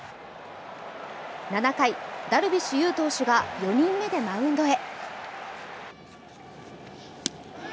７回ダルビッシュ有投手が４人目でマウンドへ。